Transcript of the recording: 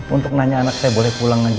untuk nanya anak saya boleh pulang aja